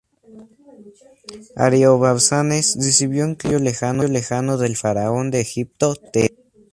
Ariobarzanes recibió incluso apoyo lejano del faraón de Egipto, Teos.